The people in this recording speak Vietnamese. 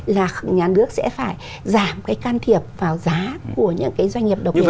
là nhà nước sẽ phải giảm cái can thiệp vào giá của những doanh nghiệp độc quyền này